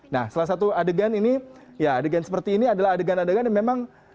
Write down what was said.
nah salah satu adegan ini ya adegan seperti ini adalah adegan adegan yang memang